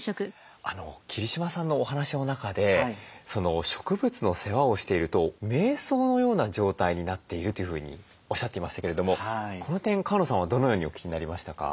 桐島さんのお話の中で植物の世話をしているとめい想のような状態になっているというふうにおっしゃっていましたけれどもこの点川野さんはどのようにお聞きになりましたか？